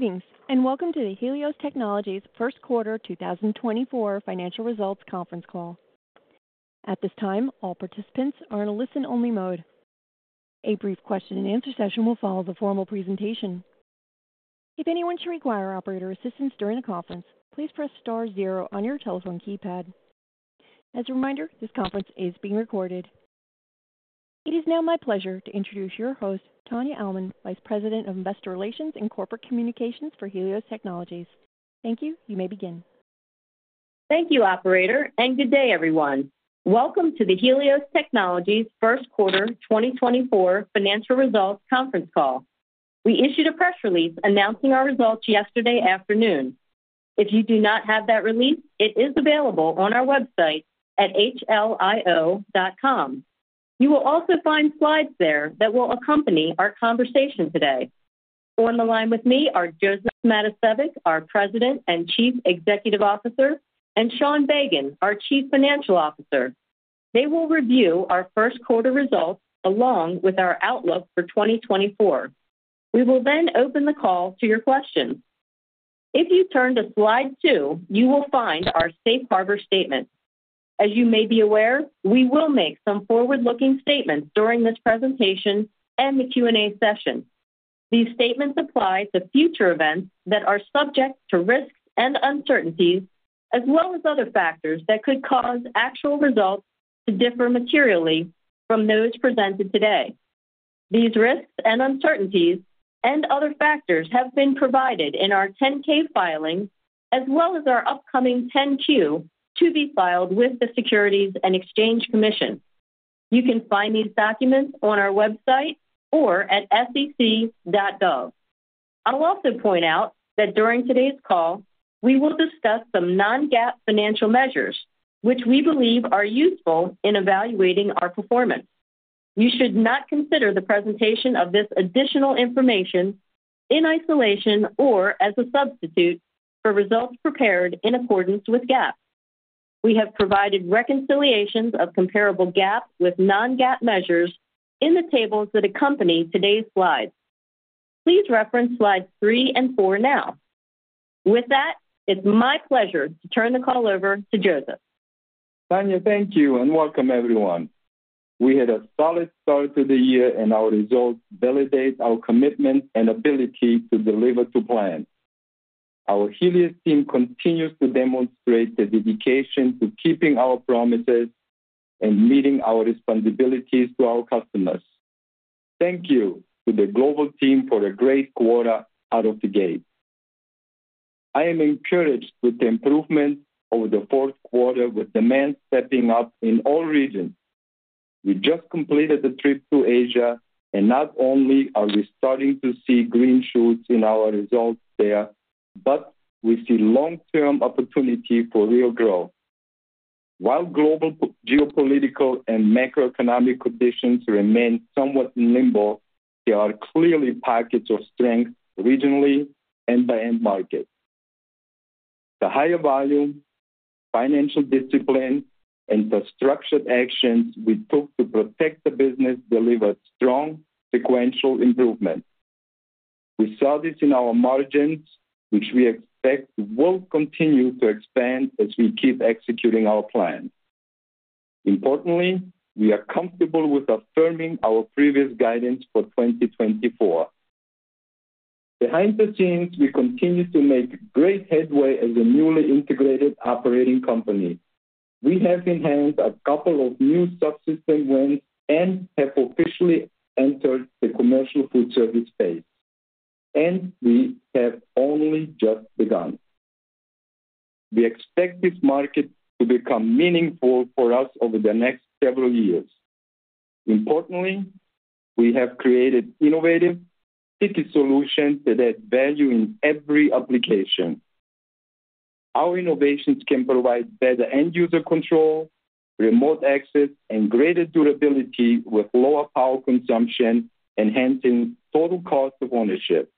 Greetings and welcome to the Helios Technologies first quarter 2024 financial results conference call. At this time, all participants are in a listen-only mode. A brief question-and-answer session will follow the formal presentation. If anyone should require operator assistance during the conference, please press star zero on your telephone keypad. As a reminder, this conference is being recorded. It is now my pleasure to introduce your host, Tania Almond, Vice President of Investor Relations and Corporate Communications for Helios Technologies. Thank you. You may begin. Thank you, operator, and good day, everyone. Welcome to the Helios Technologies first quarter 2024 financial results conference call. We issued a press release announcing our results yesterday afternoon. If you do not have that release, it is available on our website at hlio.com. You will also find slides there that will accompany our conversation today. On the line with me are Josef Matosevic, our President and Chief Executive Officer, and Sean Bagan, our Chief Financial Officer. They will review our first quarter results along with our outlook for 2024. We will then open the call to your questions. If you turn to slide two, you will find our Safe Harbor Statement. As you may be aware, we will make some forward-looking statements during this presentation and the Q&A session. These statements apply to future events that are subject to risks and uncertainties, as well as other factors that could cause actual results to differ materially from those presented today. These risks and uncertainties and other factors have been provided in our 10-K filing, as well as our upcoming 10-Q to be filed with the Securities and Exchange Commission. You can find these documents on our website or at SEC.gov. I'll also point out that during today's call, we will discuss some non-GAAP financial measures, which we believe are useful in evaluating our performance. You should not consider the presentation of this additional information in isolation or as a substitute for results prepared in accordance with GAAP. We have provided reconciliations of comparable GAAP with non-GAAP measures in the tables that accompany today's slides. Please reference slides three and four now. With that, it's my pleasure to turn the call over to Josef. Tania, thank you and welcome, everyone. We had a solid start to the year, and our results validate our commitment and ability to deliver to plan. Our Helios team continues to demonstrate the dedication to keeping our promises and meeting our responsibilities to our customers. Thank you to the global team for a great quarter out of the gate. I am encouraged with the improvement over the fourth quarter, with demand stepping up in all regions. We just completed the trip to Asia, and not only are we starting to see green shoots in our results there, but we see long-term opportunity for real growth. While global geopolitical and macroeconomic conditions remain somewhat in limbo, there are clearly pockets of strength regionally and by end market. The higher volume, financial discipline, and the structured actions we took to protect the business delivered strong, sequential improvements. We saw this in our margins, which we expect will continue to expand as we keep executing our plan. Importantly, we are comfortable with affirming our previous guidance for 2024. Behind the scenes, we continue to make great headway as a newly integrated operating company. We have in hand a couple of new subsystem wins and have officially entered the commercial food service space, and we have only just begun. We expect this market to become meaningful for us over the next several years. Importantly, we have created innovative, sticky solutions that add value in every application. Our innovations can provide better end-user control, remote access, and greater durability with lower power consumption, enhancing total cost of ownership.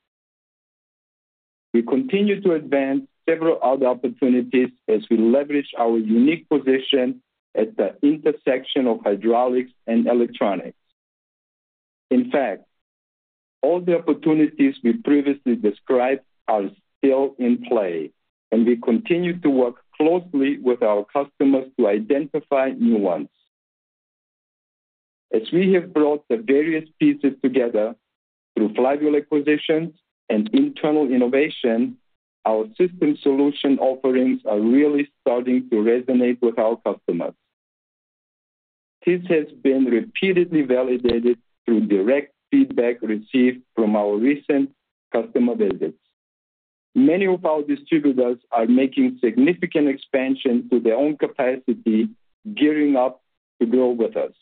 We continue to advance several other opportunities as we leverage our unique position at the intersection of hydraulics and electronics. In fact, all the opportunities we previously described are still in play, and we continue to work closely with our customers to identify new ones. As we have brought the various pieces together through flagship acquisitions and internal innovation, our system solution offerings are really starting to resonate with our customers. This has been repeatedly validated through direct feedback received from our recent customer visits. Many of our distributors are making significant expansion to their own capacity, gearing up to grow with us.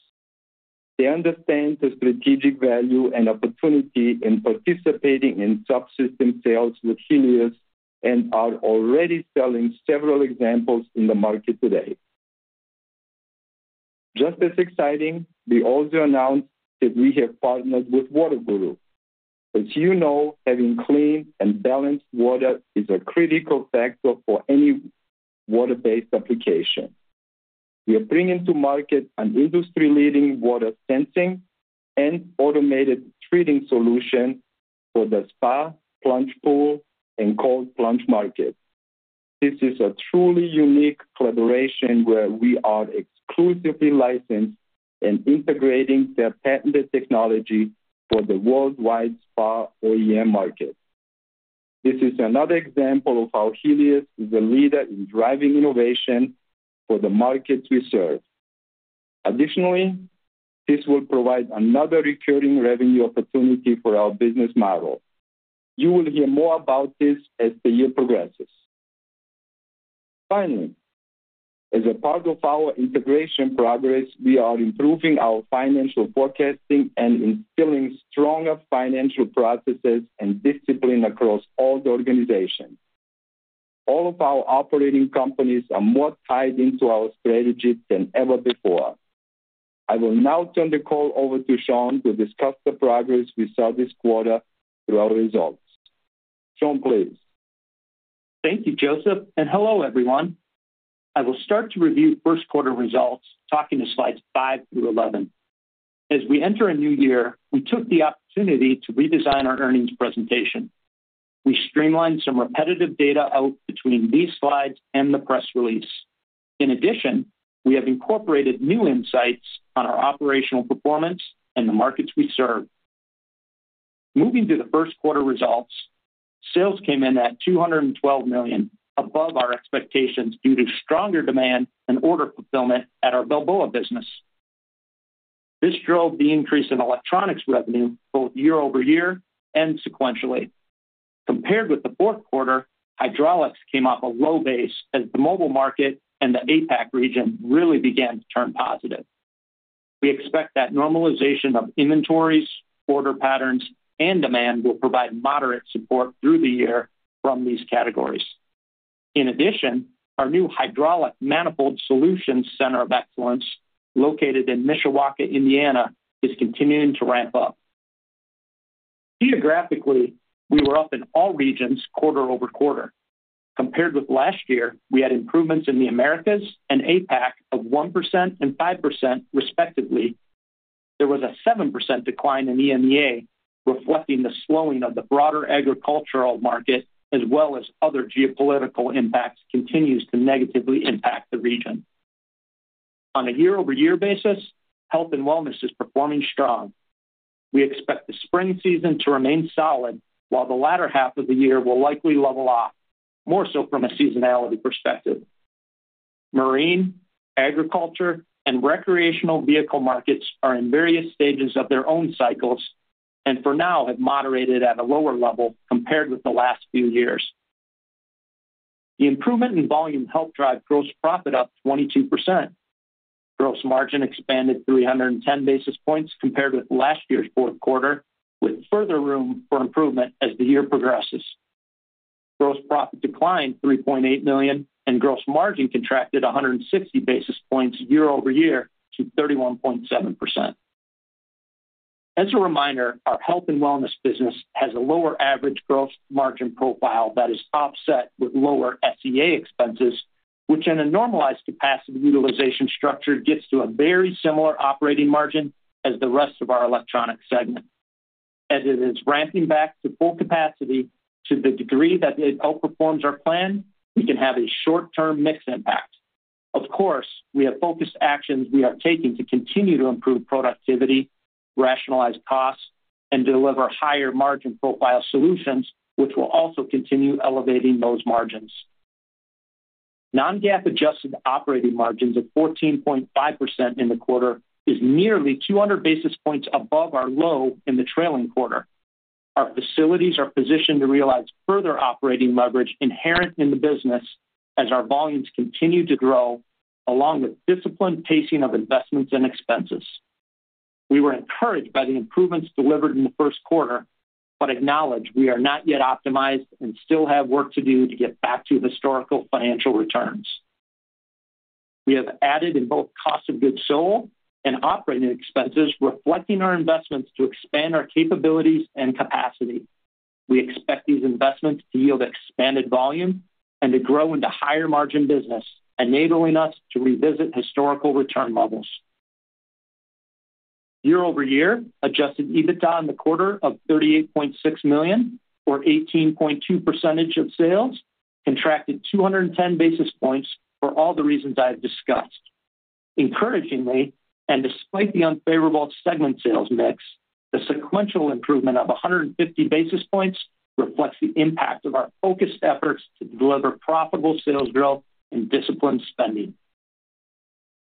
They understand the strategic value and opportunity in participating in subsystem sales with Helios and are already selling several examples in the market today. Just as exciting, we also announced that we have partnered with WaterGuru. As you know, having clean and balanced water is a critical factor for any water-based application. We are bringing to market an industry-leading water sensing and automated treating solution for the spa, plunge pool, and cold plunge market. This is a truly unique collaboration where we are exclusively licensed and integrating their patented technology for the worldwide spa OEM market. This is another example of how Helios is a leader in driving innovation for the markets we serve. Additionally, this will provide another recurring revenue opportunity for our business model. You will hear more about this as the year progresses. Finally, as a part of our integration progress, we are improving our financial forecasting and instilling stronger financial processes and discipline across all the organizations. All of our operating companies are more tied into our strategy than ever before. I will now turn the call over to Sean to discuss the progress we saw this quarter through our results. Sean, please. Thank you, Josef, and hello, everyone. I will start to review first quarter results, talking to slides three through 11. As we enter a new year, we took the opportunity to redesign our earnings presentation. We streamlined some repetitive data out between these slides and the press release. In addition, we have incorporated new insights on our operational performance and the markets we serve. Moving to the first quarter results, sales came in at $212 million, above our expectations due to stronger demand and order fulfillment at our Balboa business. This drove the increase in electronics revenue both year-over-year and sequentially. Compared with the fourth quarter, hydraulics came off a low base as the mobile market and the APAC region really began to turn positive. We expect that normalization of inventories, order patterns, and demand will provide moderate support through the year from these categories. In addition, our new hydraulic manifold solutions center of excellence located in Mishawaka, Indiana, is continuing to ramp up. Geographically, we were up in all regions quarter-over-quarter. Compared with last year, we had improvements in the Americas and APAC of 1% and 5%, respectively. There was a 7% decline in EMEA, reflecting the slowing of the broader agricultural market, as well as other geopolitical impacts continuing to negatively impact the region. On a year-over-year basis, health and wellness is performing strong. We expect the spring season to remain solid, while the latter half of the year will likely level off, more so from a seasonality perspective. Marine, agriculture, and recreational vehicle markets are in various stages of their own cycles and for now have moderated at a lower level compared with the last few years. The improvement in volume helped drive gross profit up 22%. Gross margin expanded 310 basis points compared with last year's fourth quarter, with further room for improvement as the year progresses. Gross profit declined $3.8 million, and gross margin contracted 160 basis points year over year to 31.7%. As a reminder, our health and wellness business has a lower average gross margin profile that is offset with lower SEA expenses, which in a normalized capacity utilization structure gets to a very similar operating margin as the rest of our electronics segment. As it is ramping back to full capacity to the degree that it outperforms our plan, we can have a short-term mix impact. Of course, we have focused actions we are taking to continue to improve productivity, rationalize costs, and deliver higher margin profile solutions, which will also continue elevating those margins. Non-GAAP adjusted operating margins of 14.5% in the quarter is nearly 200 basis points above our low in the trailing quarter. Our facilities are positioned to realize further operating leverage inherent in the business as our volumes continue to grow, along with disciplined pacing of investments and expenses. We were encouraged by the improvements delivered in the first quarter but acknowledge we are not yet optimized and still have work to do to get back to historical financial returns. We have added in both cost of goods sold and operating expenses, reflecting our investments to expand our capabilities and capacity. We expect these investments to yield expanded volume and to grow into higher margin business, enabling us to revisit historical return levels. Year-over-year, adjusted EBITDA in the quarter of $38.6 million, or 18.2% of sales, contracted 210 basis points for all the reasons I have discussed. Encouragingly, and despite the unfavorable segment sales mix, the sequential improvement of 150 basis points reflects the impact of our focused efforts to deliver profitable sales growth and disciplined spending.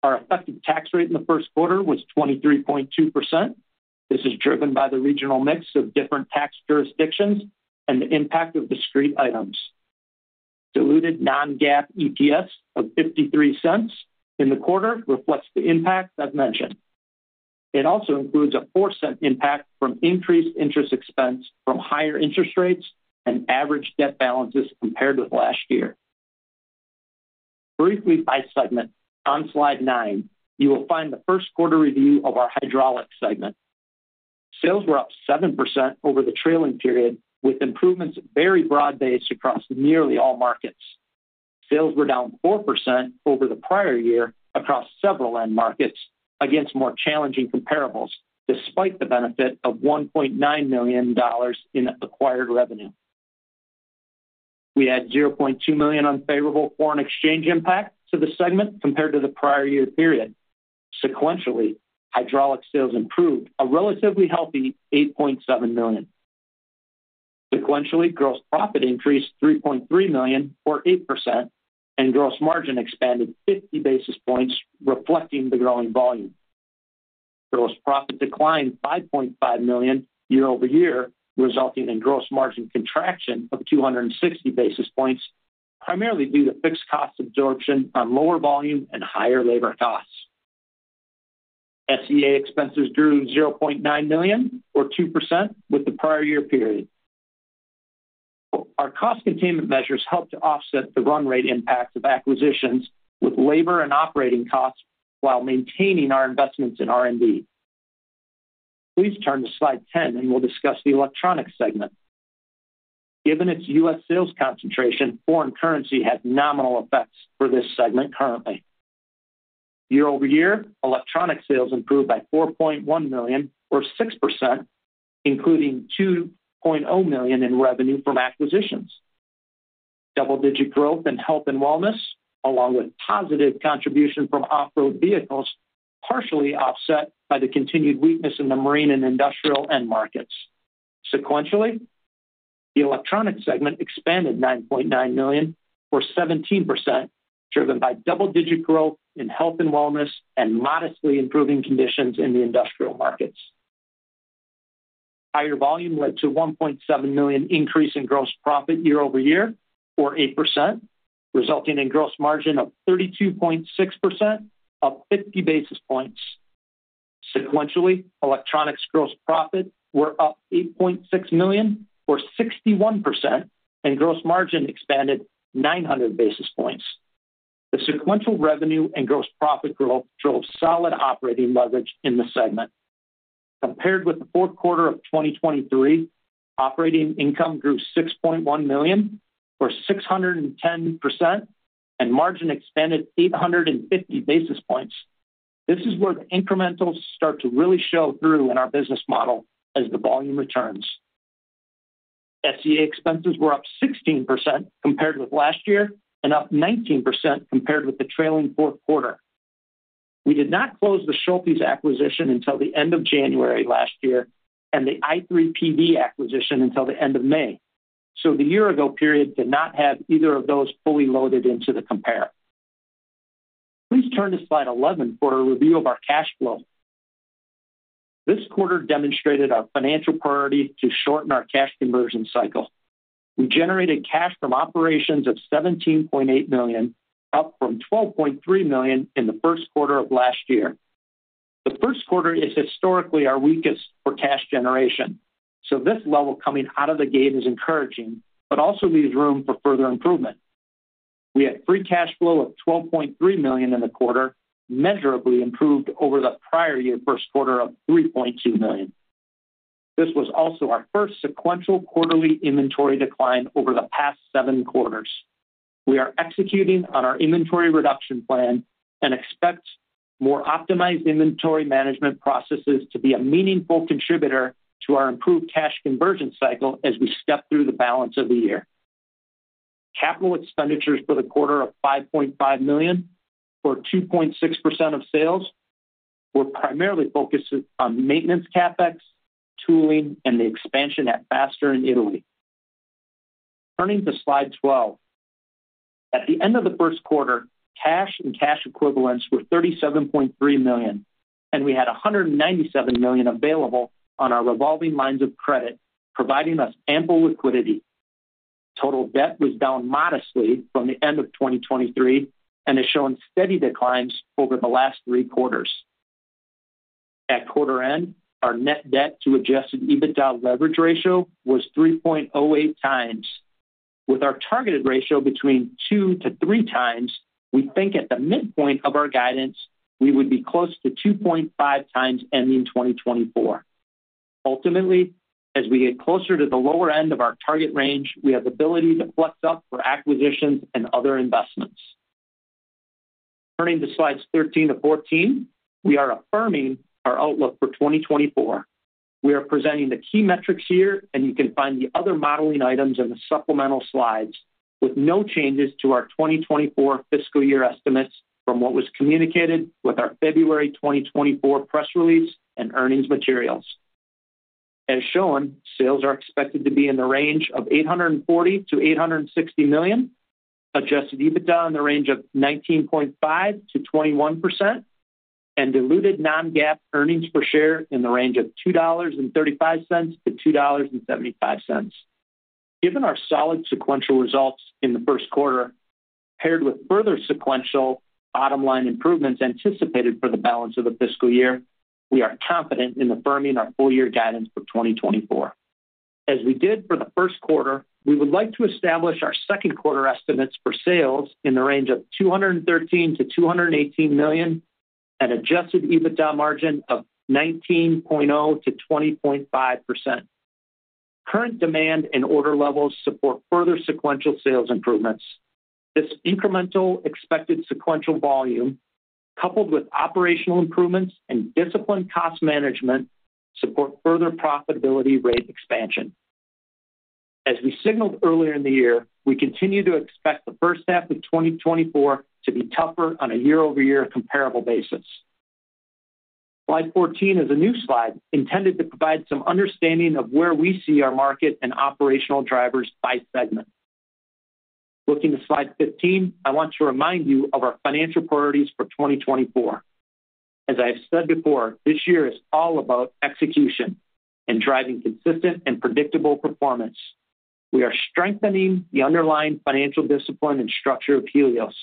Our effective tax rate in the first quarter was 23.2%. This is driven by the regional mix of different tax jurisdictions and the impact of discrete items. Diluted non-GAAP EPS of $0.53 in the quarter reflects the impact I've mentioned. It also includes a $0.04 impact from increased interest expense from higher interest rates and average debt balances compared with last year. Briefly, in segment, on slide nine, you will find the first quarter review of our hydraulics segment. Sales were up 7% over the trailing period, with improvements very broad-based across nearly all markets. Sales were down 4% over the prior year across several end markets against more challenging comparables, despite the benefit of $1.9 million in acquired revenue. We had $0.2 million unfavorable foreign exchange impact to the segment compared to the prior year period. Sequentially, hydraulic sales improved, a relatively healthy $8.7 million. Sequentially, gross profit increased $3.3 million, or 8%, and gross margin expanded 50 basis points, reflecting the growing volume. Gross profit declined $5.5 million year-over-year, resulting in gross margin contraction of 260 basis points, primarily due to fixed cost absorption on lower volume and higher labor costs. SEA expenses grew $0.9 million, or 2%, with the prior year period. Our cost containment measures helped to offset the run rate impacts of acquisitions with labor and operating costs while maintaining our investments in R&D. Please turn to slide 10, and we'll discuss the electronics segment. Given its U.S. sales concentration, foreign currency has nominal effects for this segment currently. Year-over-year, electronic sales improved by $4.1 million, or 6%, including $2.0 million in revenue from acquisitions. Double-digit growth in health and wellness, along with positive contribution from off-road vehicles, partially offset by the continued weakness in the marine and industrial end markets. Sequentially, the electronics segment expanded $9.9 million, or 17%, driven by double-digit growth in health and wellness and modestly improving conditions in the industrial markets. Higher volume led to a $1.7 million increase in gross profit year-over-year, or 8%, resulting in a gross margin of 32.6%, up 50 basis points. Sequentially, electronics gross profit were up $8.6 million, or 61%, and gross margin expanded 900 basis points. The sequential revenue and gross profit growth drove solid operating leverage in the segment. Compared with the fourth quarter of 2023, operating income grew $6.1 million, or 610%, and margin expanded 850 basis points. This is where the incrementals start to really show through in our business model as the volume returns. SEA expenses were up 16% compared with last year and up 19% compared with the trailing fourth quarter. We did not close the Schultes acquisition until the end of January last year and the i3PD acquisition until the end of May. So the year-ago period did not have either of those fully loaded into the compare. Please turn to slide 11 for a review of our cash flow. This quarter demonstrated our financial priority to shorten our cash conversion cycle. We generated cash from operations of $17.8 million, up from $12.3 million in the first quarter of last year. The first quarter is historically our weakest for cash generation. So this level coming out of the gate is encouraging but also leaves room for further improvement. We had free cash flow of $12.3 million in the quarter, measurably improved over the prior year first quarter of $3.2 million. This was also our first sequential quarterly inventory decline over the past seven quarters. We are executing on our inventory reduction plan and expect more optimized inventory management processes to be a meaningful contributor to our improved cash conversion cycle as we step through the balance of the year. Capital expenditures for the quarter of $5.5 million, or 2.6% of sales, were primarily focused on maintenance CapEx, tooling, and the expansion at Faster in Italy. Turning to slide 12. At the end of the first quarter, cash and cash equivalents were $37.3 million, and we had $197 million available on our revolving lines of credit, providing us ample liquidity. Total debt was down modestly from the end of 2023 and has shown steady declines over the last three quarters. At quarter end, our net debt to adjusted EBITDA leverage ratio was 3.08x. With our targeted ratio between 2x-3x, we think at the midpoint of our guidance, we would be close to 2.5x ending 2024. Ultimately, as we get closer to the lower end of our target range, we have the ability to flux up for acquisitions and other investments. Turning to slides 13-14, we are affirming our outlook for 2024. We are presenting the key metrics here, and you can find the other modeling items in the supplemental slides with no changes to our 2024 fiscal year estimates from what was communicated with our February 2024 press release and earnings materials. As shown, sales are expected to be in the range of $840 million-$860 million, adjusted EBITDA in the range of 19.5%-21%, and diluted non-GAAP earnings per share in the range of $2.35-$2.75. Given our solid sequential results in the first quarter, paired with further sequential bottom line improvements anticipated for the balance of the fiscal year, we are confident in affirming our full year guidance for 2024. As we did for the first quarter, we would like to establish our second quarter estimates for sales in the range of $213 million-$218 million and adjusted EBITDA margin of 19.0%-20.5%. Current demand and order levels support further sequential sales improvements. This incremental expected sequential volume, coupled with operational improvements and disciplined cost management, support further profitability rate expansion. As we signaled earlier in the year, we continue to expect the first half of 2024 to be tougher on a year-over-year comparable basis. Slide 14 is a new slide intended to provide some understanding of where we see our market and operational drivers by segment. Looking to slide 15, I want to remind you of our financial priorities for 2024. As I have said before, this year is all about execution and driving consistent and predictable performance. We are strengthening the underlying financial discipline and structure of Helios.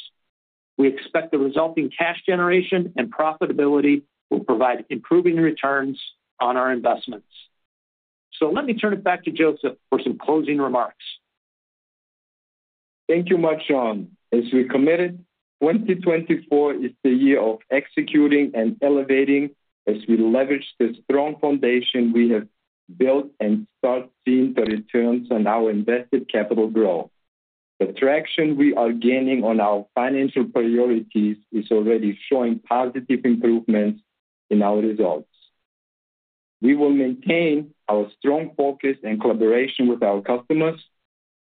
We expect the resulting cash generation and profitability will provide improving returns on our investments. So let me turn it back to Joseph for some closing remarks. Thank you much, Sean. As we committed, 2024 is the year of executing and elevating. As we leverage the strong foundation we have built and start seeing the returns on our invested capital growth, the traction we are gaining on our financial priorities is already showing positive improvements in our results. We will maintain our strong focus and collaboration with our customers,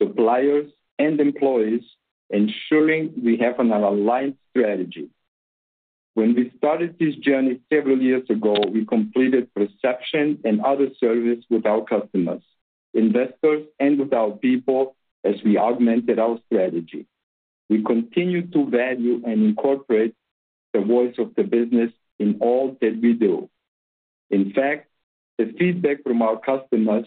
suppliers, and employees, ensuring we have an aligned strategy. When we started this journey several years ago, we conducted perceptions and other surveys with our customers, investors, and with our people as we augmented our strategy. We continue to value and incorporate the voice of the business in all that we do. In fact, the feedback from our customers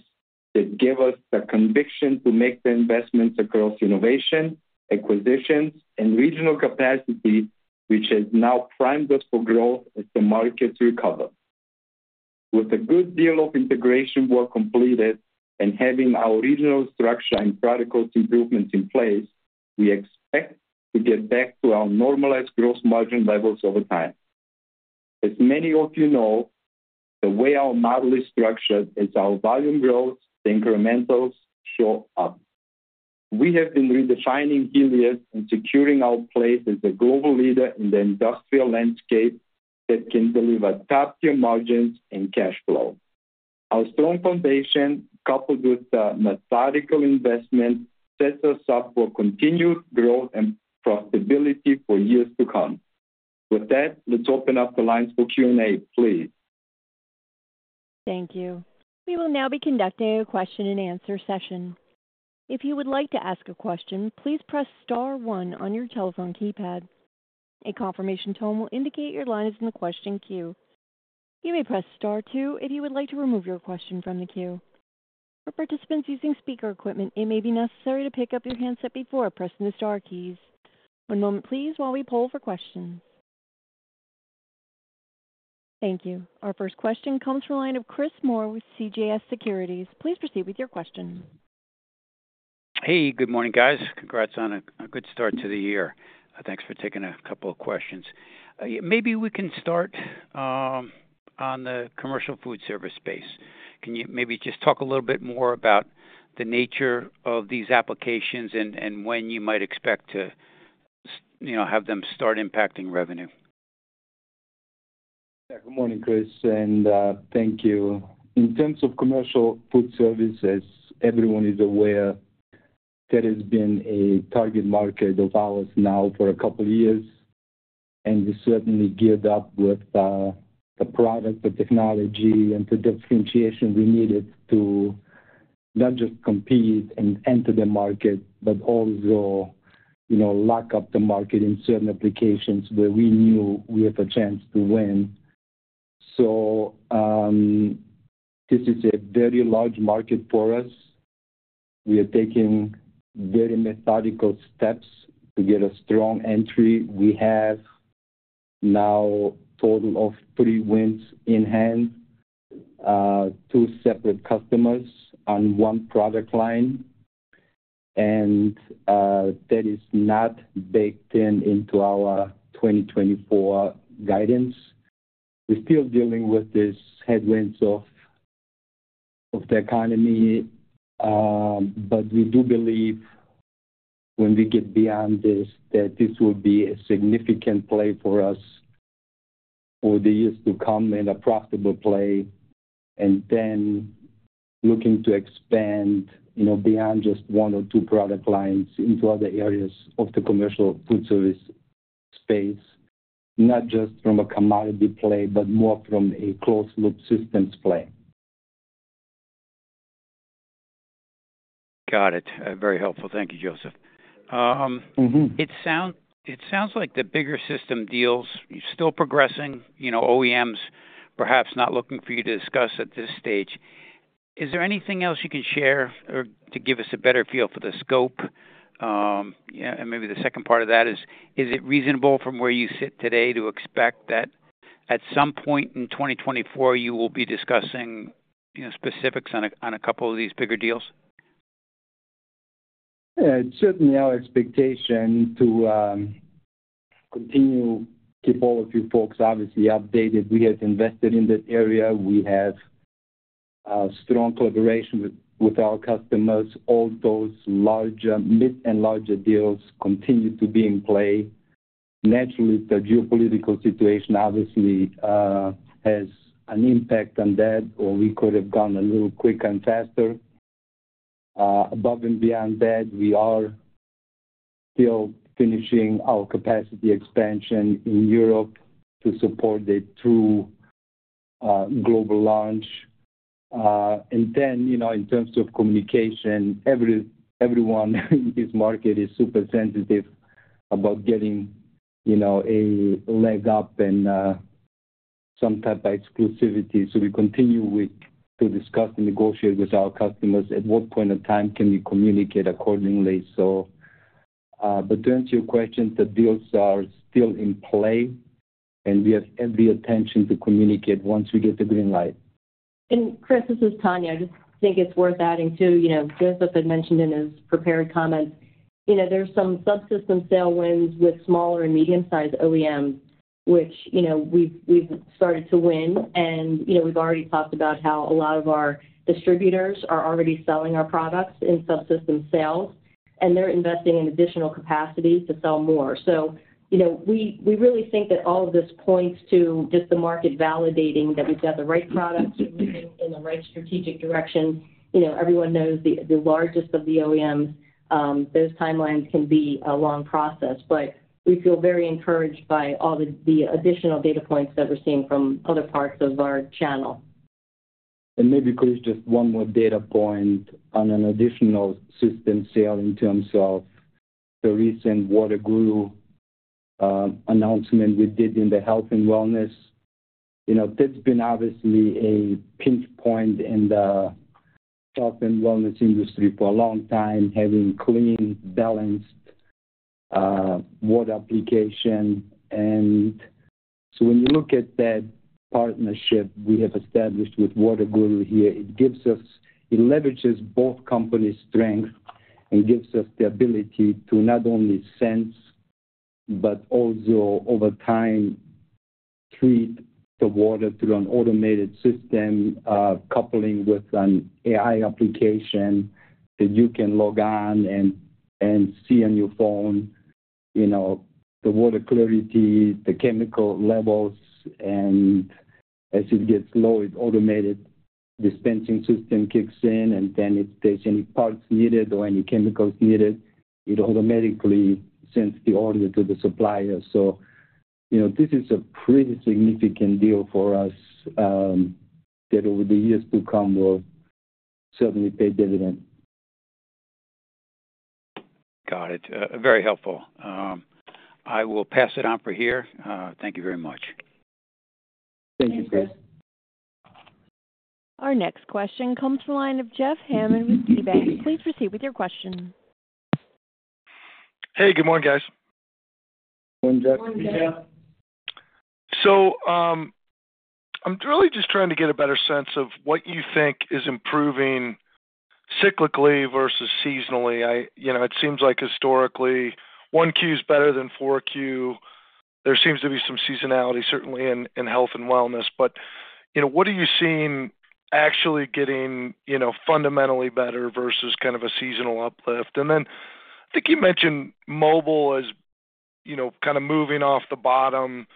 that gave us the conviction to make the investments across innovation, acquisitions, and regional capacity, which has now primed us for growth as the markets recover. With a good deal of integration work completed and having our regional structure and protocols improvements in place, we expect to get back to our normalized gross margin levels over time. As many of you know, the way our model is structured is our volume growth, the incrementals show up. We have been redefining Helios and securing our place as a global leader in the industrial landscape that can deliver top-tier margins and cash flow. Our strong foundation, coupled with the methodical investment, sets us up for continued growth and profitability for years to come. With that, let's open up the lines for Q&A, please. Thank you. We will now be conducting a question and answer session. If you would like to ask a question, please press star one on your telephone keypad. A confirmation tone will indicate your line is in the question queue. You may press star two if you would like to remove your question from the queue. For participants using speaker equipment, it may be necessary to pick up your handset before pressing the star keys. One moment, please, while we poll for questions. Thank you. Our first question comes from the line of Chris Moore with CJS Securities. Please proceed with your question. Hey, good morning, guys. Congrats on a good start to the year. Thanks for taking a couple of questions. Maybe we can start on the commercial food service space. Can you maybe just talk a little bit more about the nature of these applications and when you might expect to have them start impacting revenue? Yeah, good morning, Chris. And thank you. In terms of commercial food services, everyone is aware that it's been a target market of ours now for a couple of years. And we certainly geared up with the product, the technology, and the differentiation we needed to not just compete and enter the market but also lock up the market in certain applications where we knew we have a chance to win. So this is a very large market for us. We are taking very methodical steps to get a strong entry. We have now a total of three wins in hand, two separate customers on one product line. And that is not baked in into our 2024 guidance. We're still dealing with these headwinds of the economy. But we do believe when we get beyond this, that this will be a significant play for us for the years to come and a profitable play. Then looking to expand beyond just one or two product lines into other areas of the commercial food service space, not just from a commodity play but more from a closed-loop systems play. Got it. Very helpful. Thank you, Joseph. It sounds like the bigger system deals are still progressing, OEMs perhaps not looking for you to discuss at this stage. Is there anything else you can share or to give us a better feel for the scope? And maybe the second part of that is, is it reasonable from where you sit today to expect that at some point in 2024, you will be discussing specifics on a couple of these bigger deals? Yeah, it's certainly our expectation to continue to keep all of you folks, obviously, updated. We have invested in that area. We have a strong collaboration with our customers. All those mid and larger deals continue to be in play. Naturally, the geopolitical situation, obviously, has an impact on that, or we could have gone a little quicker and faster. Above and beyond that, we are still finishing our capacity expansion in Europe to support it through global launch. And then in terms of communication, everyone in this market is super sensitive about getting a leg up and some type of exclusivity. So we continue to discuss and negotiate with our customers. At what point in time can we communicate accordingly? But to answer your question, the deals are still in play, and we have every intention to communicate once we get the green light. Chris, this is Tania. I just think it's worth adding too. Joseph had mentioned in his prepared comments, there's some subsystem sale wins with smaller and medium-sized OEMs, which we've started to win. We've already talked about how a lot of our distributors are already selling our products in subsystem sales, and they're investing in additional capacity to sell more. We really think that all of this points to just the market validating that we've got the right products moving in the right strategic direction. Everyone knows the largest of the OEMs, those timelines can be a long process. We feel very encouraged by all the additional data points that we're seeing from other parts of our channel. Maybe, Chris, just one more data point on an additional system sale in terms of the recent WaterGuru announcement we did in the health and wellness. That's been obviously a pinch point in the health and wellness industry for a long time, having clean, balanced water application. So when you look at that partnership we have established with WaterGuru here, it leverages both companies' strengths and gives us the ability to not only sense but also, over time, treat the water through an automated system coupling with an AI application that you can log on and see on your phone, the water clarity, the chemical levels. And as it gets low, it automated dispensing system kicks in. Then if there's any parts needed or any chemicals needed, it automatically sends the order to the supplier. This is a pretty significant deal for us that over the years to come will certainly pay dividends. Got it. Very helpful. I will pass it on for here. Thank you very much. Thank you, Chris. Our next question comes from the line of Jeff Hammond with KeyBanc. Please proceed with your question. Hey, good morning, guys. Morning, Jeff. Good morning, Tania. So I'm really just trying to get a better sense of what you think is improving cyclically versus seasonally. It seems like historically, 1Q is better than 4Q. There seems to be some seasonality, certainly, in health and wellness. But what are you seeing actually getting fundamentally better versus kind of a seasonal uplift? And then I think you mentioned mobile as kind of moving off the bottom.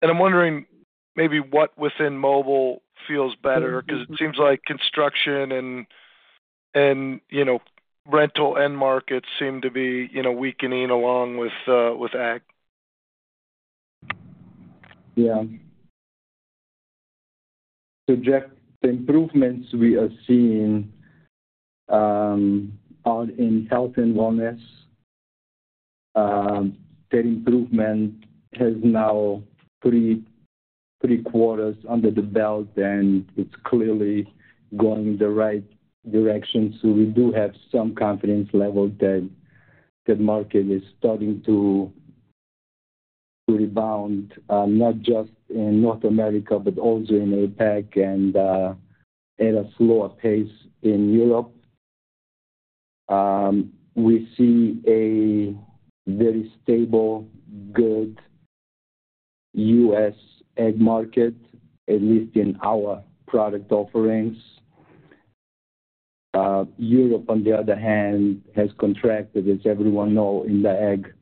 And I'm wondering maybe what within mobile feels better because it seems like construction and rental end markets seem to be weakening along with Ag. Yeah. So, Jeff, the improvements we are seeing are in health and wellness. That improvement has now three quarters under the belt, and it's clearly going the right direction. So we do have some confidence level that market is starting to rebound, not just in North America but also in APAC and at a slower pace in Europe. We see a very stable, good U.S. Ag market, at least in our product offerings. Europe, on the other hand, has contracted, as everyone knows, in the Ag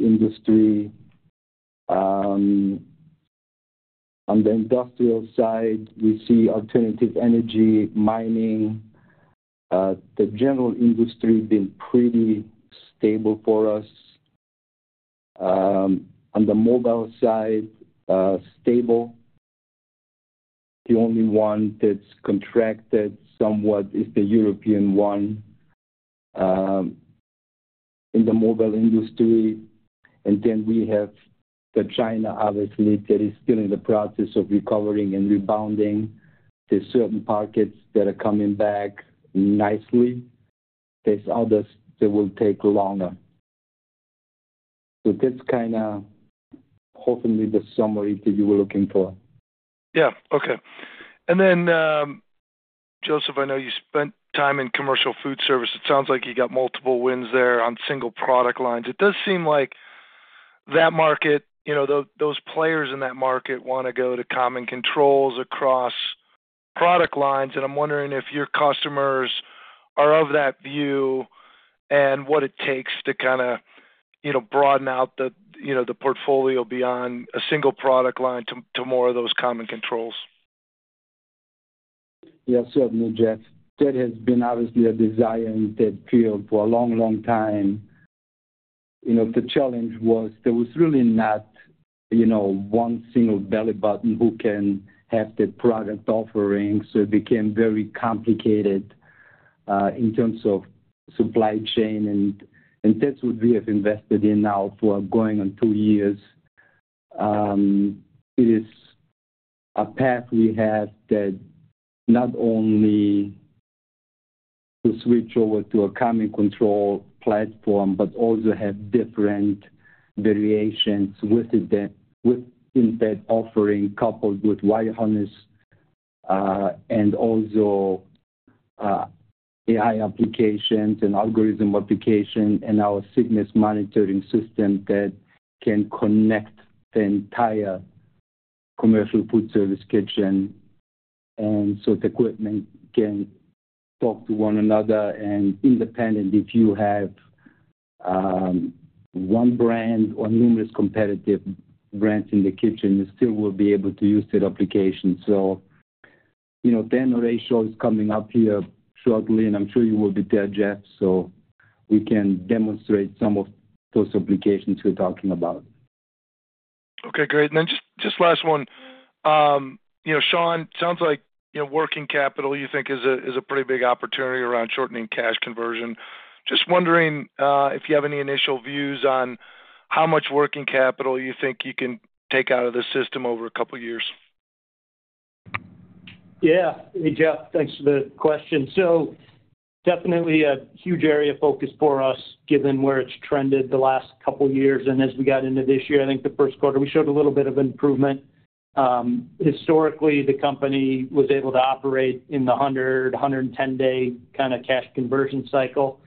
industry. On the industrial side, we see alternative energy, mining. The general industry has been pretty stable for us. On the mobile side, stable. The only one that's contracted somewhat is the European one in the mobile industry. And then we have China, obviously, that is still in the process of recovering and rebounding. There's certain markets that are coming back nicely. There's others that will take longer. So that's kind of, hopefully, the summary that you were looking for. Yeah. Okay. And then, Joseph, I know you spent time in commercial food service. It sounds like you got multiple wins there on single product lines. It does seem like that market, those players in that market, want to go to common controls across product lines. And I'm wondering if your customers are of that view and what it takes to kind of broaden out the portfolio beyond a single product line to more of those common controls? Yeah, certainly, Jeff. That has been, obviously, a desire in that field for a long, long time. The challenge was there was really not one single belly button who can have that product offering. So it became very complicated in terms of supply chain. And that's what we have invested in now for going on two years. It is a path we have that not only will switch over to a common control platform but also have different variations within that offering coupled with wire harnesses and also AI applications and algorithm applications and our system health monitoring system that can connect the entire commercial food service kitchen. And so the equipment can talk to one another and independently. If you have one brand or numerous competitive brands in the kitchen, you still will be able to use that application. The NRA Show is coming up here shortly, and I'm sure you will be there, Jeff, so we can demonstrate some of those applications we're talking about. Okay. Great. And then just last one. Sean, it sounds like working capital, you think, is a pretty big opportunity around shortening cash conversion. Just wondering if you have any initial views on how much working capital you think you can take out of the system over a couple of years? Yeah. Hey, Jeff. Thanks for the question. So definitely a huge area of focus for us given where it's trended the last couple of years. And as we got into this year, I think the first quarter, we showed a little bit of improvement. Historically, the company was able to operate in the 100-110-day kind of cash conversion cycle.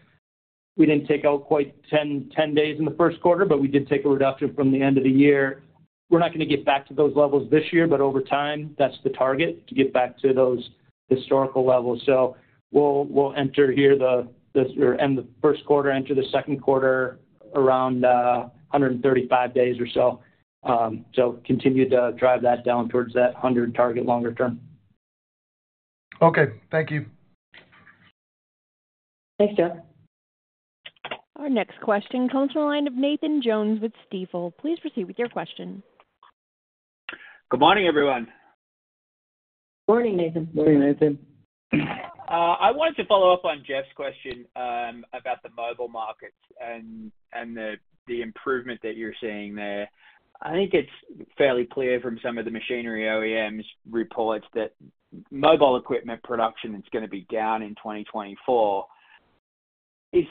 We didn't take out quite 10 days in the first quarter, but we did take a reduction from the end of the year. We're not going to get back to those levels this year, but over time, that's the target, to get back to those historical levels. So we'll enter here the end of the first quarter, enter the second quarter around 135 days or so. So continue to drive that down towards that 100 target longer term. Okay. Thank you. Thanks, Jeff. Our next question comes from the line of Nathan Jones with Stifel. Please proceed with your question. Good morning, everyone. Morning, Nathan. Morning, Nathan. I wanted to follow up on Jeff's question about the mobile markets and the improvement that you're seeing there. I think it's fairly clear from some of the machinery OEMs reports that mobile equipment production is going to be down in 2024. Is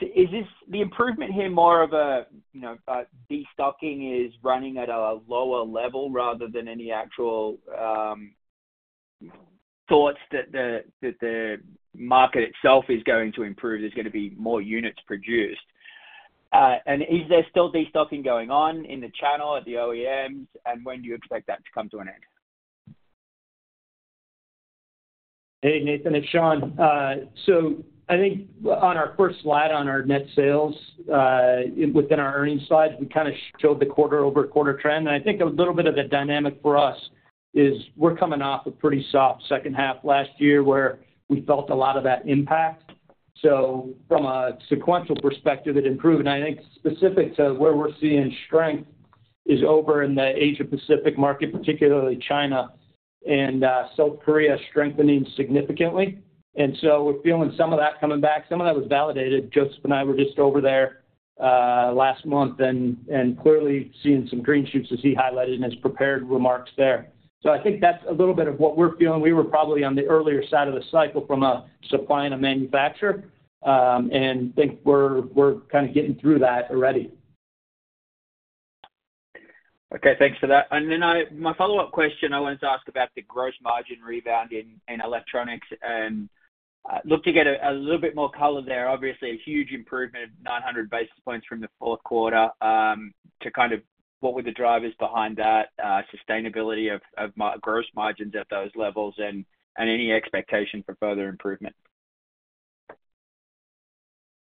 the improvement here more of a destocking is running at a lower level rather than any actual thoughts that the market itself is going to improve, there's going to be more units produced? And is there still destocking going on in the channel, at the OEMs? And when do you expect that to come to an end? Hey, Nathan. It's Sean. So I think on our first slide on our net sales within our earnings slides, we kind of showed the quarter-over-quarter trend. And I think a little bit of the dynamic for us is we're coming off a pretty soft second half last year where we felt a lot of that impact. So from a sequential perspective, it improved. And I think specific to where we're seeing strength is over in the Asia-Pacific market, particularly China and South Korea strengthening significantly. And so we're feeling some of that coming back. Some of that was validated. Joseph and I were just over there last month and clearly seeing some green shoots, as he highlighted in his prepared remarks there. So I think that's a little bit of what we're feeling. We were probably on the earlier side of the cycle from a supply and a manufacturer, and I think we're kind of getting through that already. Okay. Thanks for that. And then my follow-up question, I wanted to ask about the gross margin rebound in electronics. I like to get a little bit more color there. Obviously, a huge improvement of 900 basis points from the fourth quarter to kind of what were the drivers behind that, sustainability of gross margins at those levels, and any expectation for further improvement?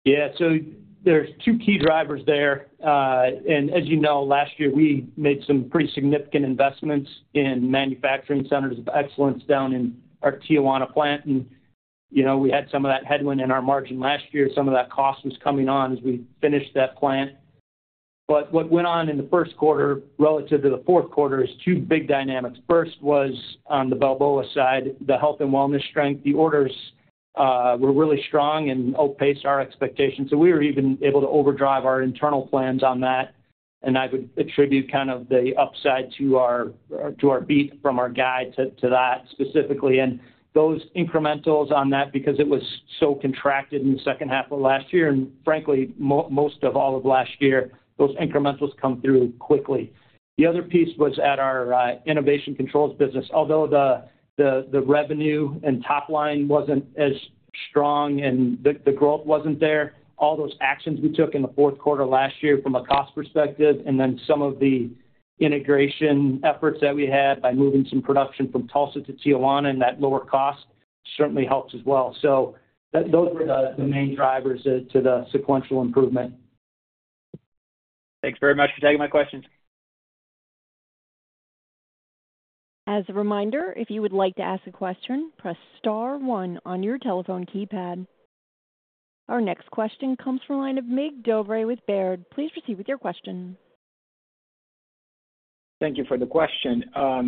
Yeah. So there's two key drivers there. And as you know, last year, we made some pretty significant investments in manufacturing centers of excellence down in our Tijuana plant. And we had some of that headwind in our margin last year. Some of that cost was coming on as we finished that plant. But what went on in the first quarter relative to the fourth quarter is two big dynamics. First was on the Balboa side, the health and wellness strength. The orders were really strong and outpaced our expectations. So we were even able to overdrive our internal plans on that. And I would attribute kind of the upside to our beat from our guide to that specifically. And those incrementals on that because it was so contracted in the second half of last year and, frankly, most of all of last year, those incrementals come through quickly. The other piece was at our Enovation Controls business. Although the revenue and top line wasn't as strong and the growth wasn't there, all those actions we took in the fourth quarter last year from a cost perspective and then some of the integration efforts that we had by moving some production from Tulsa to Tijuana and that lower cost certainly helped as well. So those were the main drivers to the sequential improvement. Thanks very much for taking my questions. As a reminder, if you would like to ask a question, press star 1 on your telephone keypad. Our next question comes from the line of Mig Dobre with Baird. Please proceed with your question. Thank you for the question. I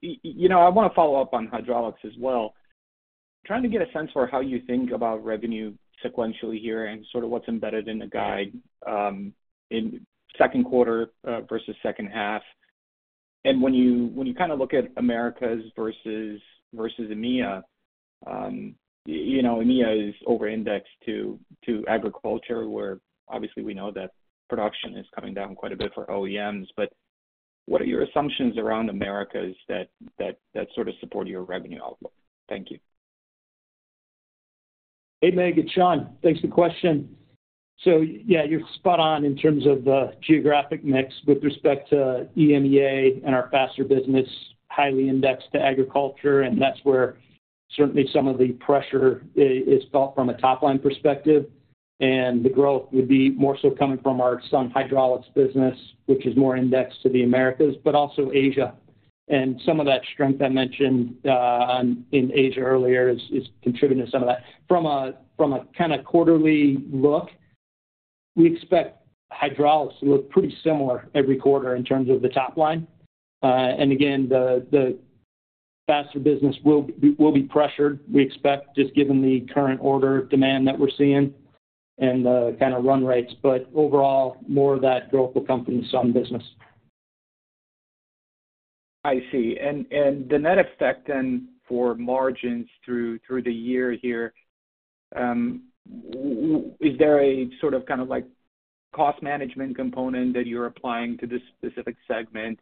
want to follow up on hydraulics as well. I'm trying to get a sense for how you think about revenue sequentially here and sort of what's embedded in the guide in second quarter versus second half. And when you kind of look at Americas versus EMEA, EMEA is over-indexed to agriculture where, obviously, we know that production is coming down quite a bit for OEMs. But what are your assumptions around Americas that sort of support your revenue outlook? Thank you. Hey, Meg. It's Sean. Thanks for the question. So yeah, you're spot on in terms of the geographic mix with respect to EMEA and our Faster business, highly indexed to agriculture. And that's where certainly some of the pressure is felt from a top-line perspective. And the growth would be more so coming from our Sun Hydraulics business, which is more indexed to the Americas but also Asia. And some of that strength I mentioned in Asia earlier is contributing to some of that. From a kind of quarterly look, we expect hydraulics to look pretty similar every quarter in terms of the top line. And again, the Faster business will be pressured, we expect, just given the current order demand that we're seeing and the kind of run rates. But overall, more of that growth will come from the Sun business. I see. And then that effect then for margins through the year here, is there a sort of kind of cost management component that you're applying to this specific segment,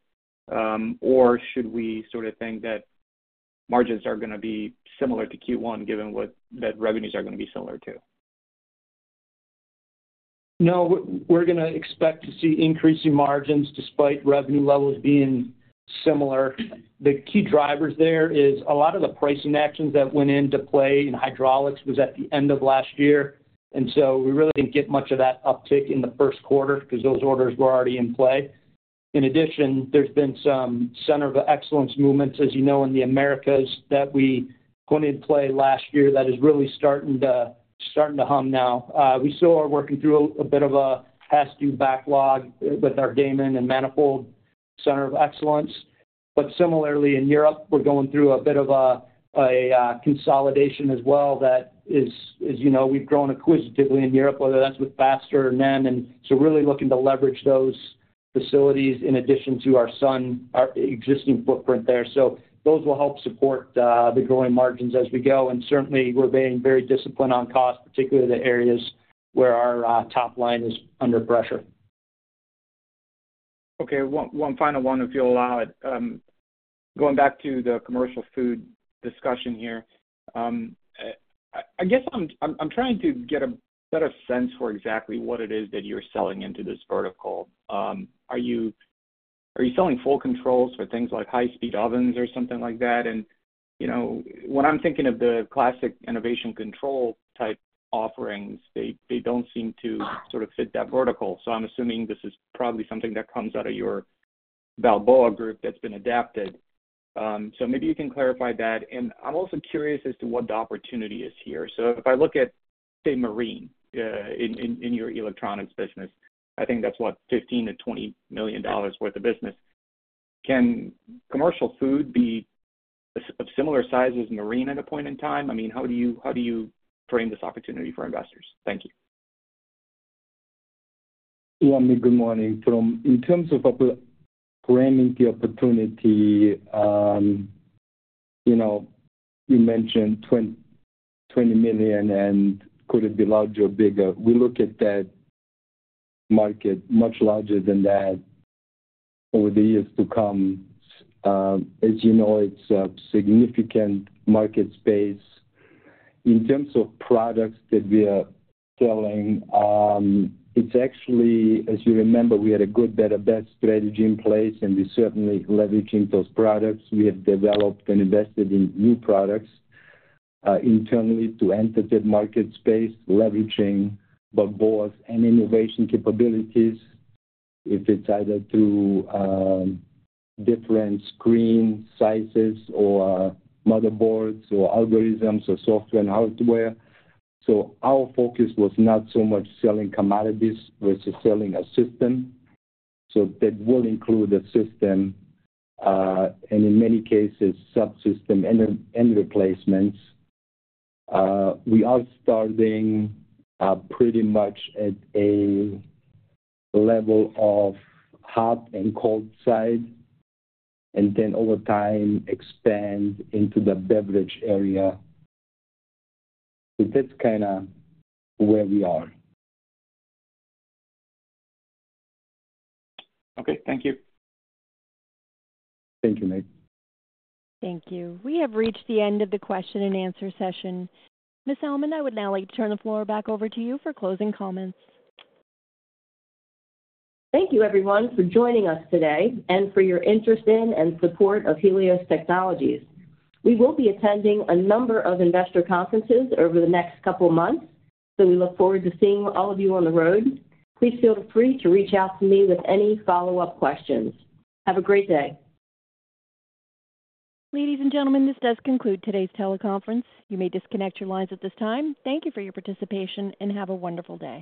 or should we sort of think that margins are going to be similar to Q1 given that revenues are going to be similar too? No. We're going to expect to see increasing margins despite revenue levels being similar. The key drivers there is a lot of the pricing actions that went into play in hydraulics was at the end of last year. And so we really didn't get much of that uptick in the first quarter because those orders were already in play. In addition, there's been some center of excellence movements, as you know, in the Americas that we put into play last year that is really starting to hum now. We're working through a bit of a past-due backlog with our Daman and Manifold center of excellence. But similarly, in Europe, we're going through a bit of a consolidation as well that is, as you know, we've grown acquisitively in Europe, whether that's with Faster or NEM. And so really looking to leverage those facilities in addition to our existing footprint there. So those will help support the growing margins as we go. And certainly, we're being very disciplined on cost, particularly the areas where our top line is under pressure. Okay. One final one, if you'll allow it. Going back to the commercial food discussion here, I guess I'm trying to get a better sense for exactly what it is that you're selling into this vertical. Are you selling full controls for things like high-speed ovens or something like that? And when I'm thinking of the classic Enovation Controls-type offerings, they don't seem to sort of fit that vertical. So I'm assuming this is probably something that comes out of your Balboa group that's been adapted. So maybe you can clarify that. And I'm also curious as to what the opportunity is here. So if I look at, say, Marine in your electronics business, I think that's what, $15 million-$20 million worth of business. Can commercial food be of similar size as Marine at a point in time? I mean, how do you frame this opportunity for investors? Thank you. Yeah. Meg, good morning. In terms of framing the opportunity, you mentioned $20 million, and could it be larger or bigger? We look at that market much larger than that over the years to come. As you know, it's a significant market space. In terms of products that we are selling, it's actually, as you remember, we had a good, better, best strategy in place, and we're certainly leveraging those products. We have developed and invested in new products internally to enter that market space, leveraging Balboa's and Enovation capabilities. If it's either through different screen sizes or motherboards or algorithms or software and hardware. So our focus was not so much selling commodities versus selling a system. So that will include a system and, in many cases, subsystem and replacements. We are starting pretty much at a level of hot and cold side and then over time expand into the beverage area. So that's kind of where we are. Okay. Thank you. Thank you, Mig. Thank you. We have reached the end of the question and answer session. Ms. Almond, I would now like to turn the floor back over to you for closing comments. Thank you, everyone, for joining us today and for your interest in and support of Helios Technologies. We will be attending a number of investor conferences over the next couple of months, so we look forward to seeing all of you on the road. Please feel free to reach out to me with any follow-up questions. Have a great day. Ladies and gentlemen, this does conclude today's teleconference. You may disconnect your lines at this time. Thank you for your participation, and have a wonderful day.